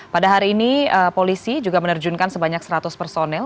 pada hari ini polisi juga menerjunkan sebanyak seratus personel